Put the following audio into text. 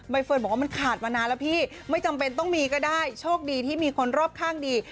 เฟิร์นบอกว่ามันขาดมานานแล้วพี่ไม่จำเป็นต้องมีก็ได้โชคดีที่มีคนรอบข้างดี